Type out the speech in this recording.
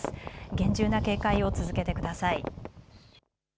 厳重な警戒を続けてください。